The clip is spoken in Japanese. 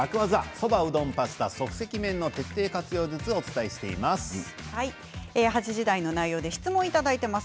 そば、うどん、パスタ即席麺の徹底活用術をお伝えしています。